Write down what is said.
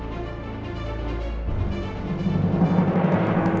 masa masa ini udah berubah